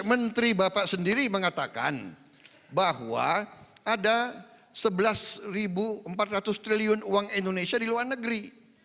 menteri bapak sendiri mengatakan bahwa ada sebelas empat ratus triliun uang indonesia di luar negeri